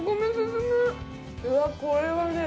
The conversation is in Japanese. うわっこれはね